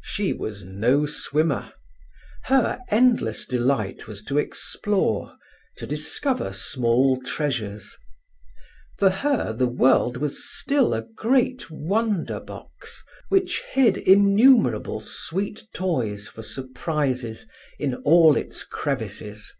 She was no swimmer. Her endless delight was to explore, to discover small treasures. For her the world was still a great wonder box which hid innumerable sweet toys for surprises in all its crevices.